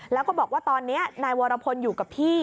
แล้วก็บอกว่าตอนนี้นายวรพลอยู่กับพี่